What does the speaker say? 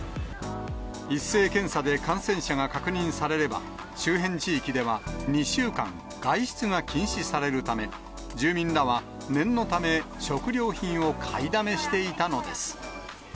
一斉検査で感染者が確認されれば、周辺地域では、２週間、外出が禁止されるため、住民らは念のため、食料品を買いだめしていたのです。